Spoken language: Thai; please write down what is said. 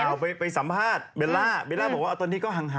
มีนักข่าวไปสัมภาษณ์เบลล่าเบลล่าบอกว่าตอนนี้ก็ห่างกัน